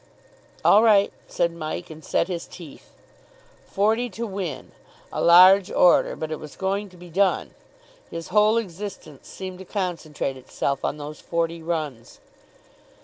"All right," said Mike, and set his teeth. Forty to win! A large order. But it was going to be done. His whole existence seemed to concentrate itself on those forty runs.